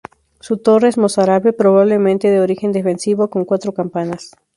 Su torre es mozárabe, probablemente de origen defensivo, con cuatro campanas.